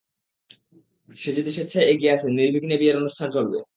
সে যদি স্বেচ্ছায় এগিয়ে আসে, নির্বিঘ্নে বিয়ের অনুষ্ঠান চলবে।